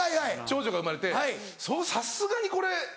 長女が生まれてさすがにこれ。